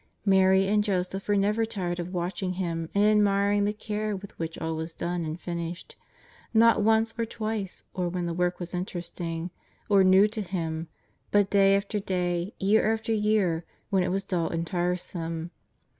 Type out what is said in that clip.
Mary and Joseph were never tired of watching Him and admiring the care with which all was done and finished ; not once or twice, or when the work was interesting or new to Him, but day after day, year after year when it was dull and tiresome.